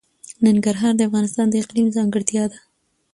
ننګرهار د افغانستان د اقلیم ځانګړتیا ده.